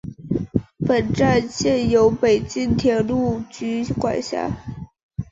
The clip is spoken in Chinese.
本站现由北京铁路局管辖。